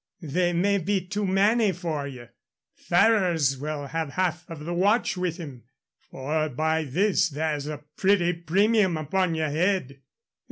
"They may be too many for you. Ferrers will have half of the watch with him, for by this there's a pretty premium upon your head."